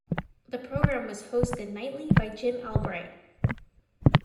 The program was hosted nightly by Jim Albright.